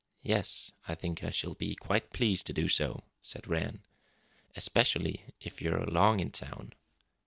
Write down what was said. "Yes, I think I shall be quite pleased to do so," said Rann. "Especially if you are long in town."